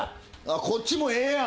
こっちもええやん。